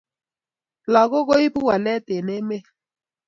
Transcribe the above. Lakok koipu walet eng emet